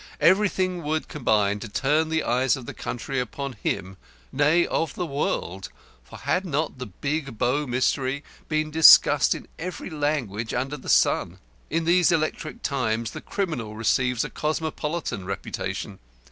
Everything would combine to turn the eyes of the country upon him nay, of the world, for had not the Big Bow Mystery been discussed in every language under the sun? In these electric times the criminal receives a cosmopolitan reputation.